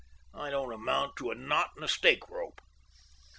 I don't amount to a knot in a stake rope."